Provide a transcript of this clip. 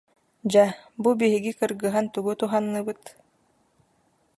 Дьэ, бу биһиги кыргыһан тугу туһанныбыт